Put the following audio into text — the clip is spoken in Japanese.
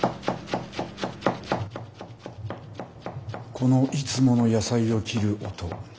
このいつもの野菜を切る音。